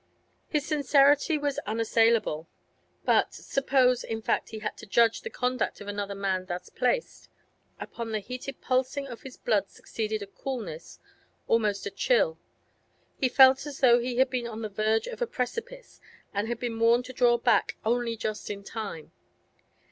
His sincerity was unassailable, but—suppose, in fact, he had to judge the conduct of another man thus placed? Upon the heated pulsing of his blood succeeded a coolness, almost a chill; he felt as though he had been on the verge of a precipice, and had been warned to draw back only just in time.